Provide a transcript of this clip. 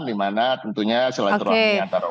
ya selain terlalu banyak antara umat